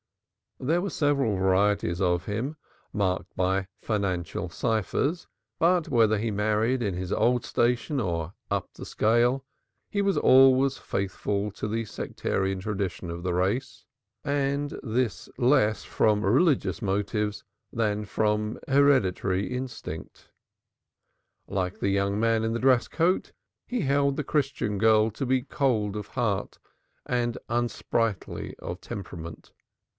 There were several varieties of him marked by financial ciphers but whether he married in his old station or higher up the scale, he was always faithful to the sectarian tradition of the race, and this less from religious motives than from hereditary instinct. Like the young man in the dress coat, he held the Christian girl to be cold of heart, and unsprightly of temperament.